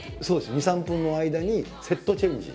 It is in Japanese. ２３分の間にセットチェンジ。